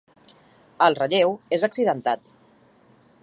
El relleu és accidentat.